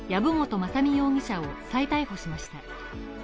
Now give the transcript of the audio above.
雅巳容疑者を再逮捕しました。